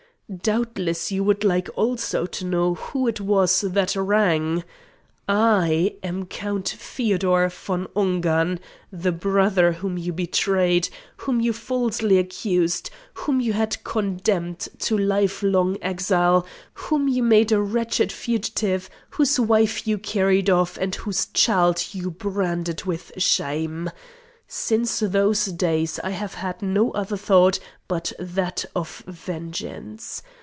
Doubtless you would like also to know who it was that rang. I am Count Feodor von Ungern, the brother whom you betrayed, whom you falsely accused, whom you had condemned to lifelong exile, whom you made a wretched fugitive, whose wife you carried off, and whose child you branded with shame. Since those days I have had no other thought but that of vengeance.